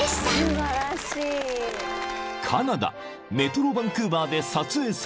［カナダメトロバンクーバーで撮影された］